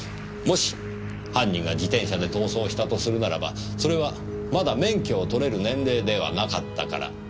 もし犯人が自転車で逃走したとするならばそれはまだ免許を取れる年齢ではなかったから。